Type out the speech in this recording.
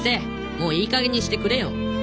もういいかげんにしてくれよ！